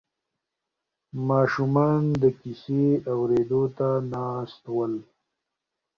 ماشومان د کیسې اورېدو ته ناست ول.